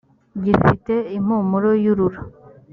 gifite impumuro yurura